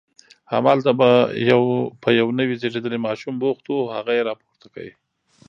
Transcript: همالته په یو نوي زیږېدلي ماشوم بوخت و، هغه یې راپورته کړ.